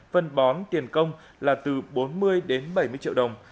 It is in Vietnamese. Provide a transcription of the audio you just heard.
phân bón tiền công là từ bốn mươi đến bảy mươi triệu đồng